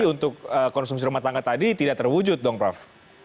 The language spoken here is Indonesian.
untuk konsumsi rumah tangga tadi tidak terwujud dong prof